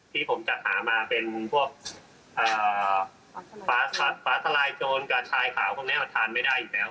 ที่ผมจัดหามาเป็นพวกฟ้าสลายโจรกับชายขาวทานไม่ได้อยู่แล้ว